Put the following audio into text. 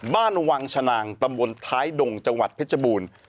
บ้านวังชนางตำบลท้ายดงจังหวัดเพชรบูรณ์